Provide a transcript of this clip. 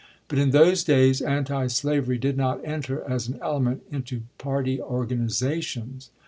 But in those days antislavery did not enter as an element into party organizations.